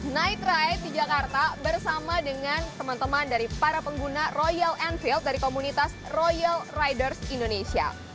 night ride di jakarta bersama dengan teman teman dari para pengguna royal enfield dari komunitas royal riders indonesia